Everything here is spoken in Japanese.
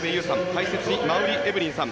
解説に馬瓜エブリンさん